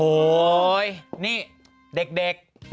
โอ๊ยนี่เด็ก